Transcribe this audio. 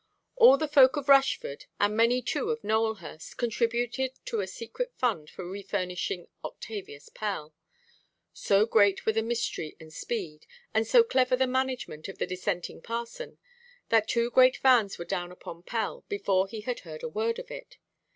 All the folk of Rushford, and many too of Nowelhurst, contributed to a secret fund for refurnishing Octavius Pell. So great were the mystery and speed, and so clever the management of the dissenting parson, that two great vans were down upon Pell before he had heard a word of it.